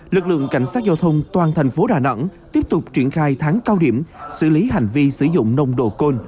quan thành phố đà nẵng tiếp tục triển khai tháng cao điểm xử lý hành vi sử dụng nồng độ cồn